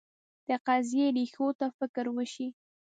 د قضیې ریښو ته فکر وشي.